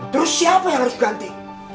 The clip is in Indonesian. terus siapa yang harus ganti